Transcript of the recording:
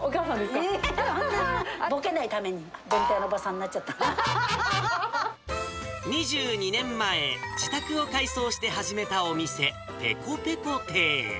ボケないために、２２年前、自宅を改装して始めたお店、ペコペコ亭。